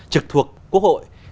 trực thuộc quốc hội